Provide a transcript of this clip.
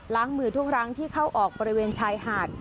ล้างมือทุกครั้งที่เข้าออกบริเวณชายหาด